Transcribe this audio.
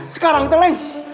sekarang tuh leng